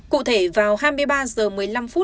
cụ thể vào hai mươi ba h một mươi năm phút